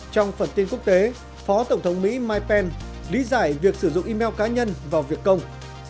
trong phần tin quốc tế phó tổng thống mỹ mike pen lý giải việc sử dụng email cá nhân vào việc công